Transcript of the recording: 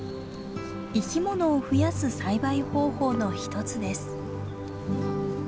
生き物を増やす栽培方法の一つです。